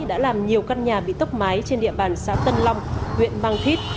đã làm nhiều căn nhà bị tốc mái trên địa bàn xã tân long huyện mang thít